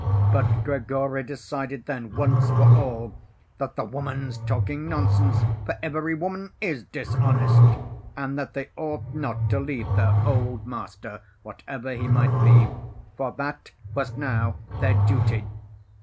But Grigory decided then, once for all, that "the woman's talking nonsense, for every woman is dishonest," and that they ought not to leave their old master, whatever he might be, for "that was now their duty."